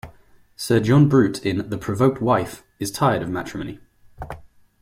Sir John Brute in "The Provoked Wife" is tired of matrimony.